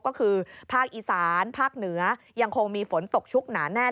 ก็คือภาคอีสานภาคเหนือยังคงมีฝนตกชุกหนาแน่น